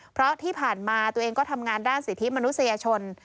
เพราะที่ผ่านมาตัวเองก็ทำงานด้านสิทธิมนุษยชน